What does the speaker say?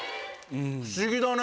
不思議だね。